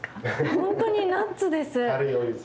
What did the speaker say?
本当にナッツです！